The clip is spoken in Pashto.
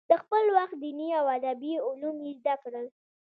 د خپل وخت دیني او ادبي علوم یې زده کړل.